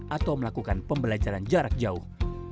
atau melakukan pembelajaran jarak jauh